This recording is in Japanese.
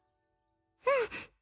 うん。